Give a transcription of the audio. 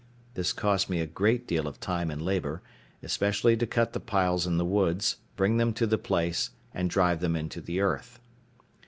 This cost me a great deal of time and labour, especially to cut the piles in the woods, bring them to the place, and drive them into the earth.